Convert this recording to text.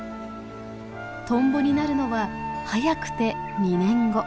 トンボになるのは早くて２年後。